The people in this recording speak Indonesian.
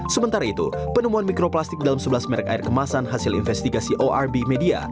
sementara itu penemuan mikroplastik dalam sebelas merek air kemasan hasil investigasi orb media